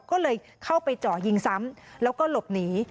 ก็เลยเข้าไปเจาะยิงซ้ำแล้วก็หลบหนี